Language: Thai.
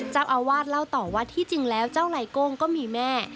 เจ้าอาวาสเล่าต่อว่าที่จริงแล้วเจ้าไลโก้งก็มีแม่